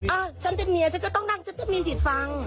อ้าวฉันเป็นเมียฉันก็ต้องดังฉันก็มีสิทธิ์ฟัง